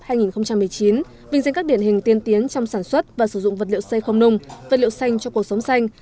vinh danh các điển hình tiên tiến trong sản xuất và sử dụng vật liệu xây không nung vật liệu xanh cho cuộc sống xanh